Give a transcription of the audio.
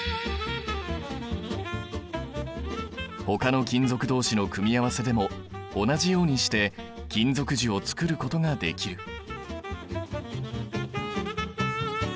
ほかの金属同士の組み合わせでも同じようにして金属樹を作ることができる。